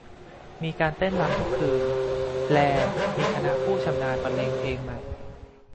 มีการเต้นรำทุกคืน แลมีคณะผู้ชำนาญบรรเลงเพลงใหม่